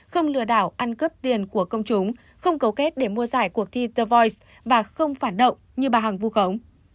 không lừa đảo ăn cướp tiền của công chúng không cấu kết để mua giải cuộc thi the voice và không phản động như bà hằng vu khống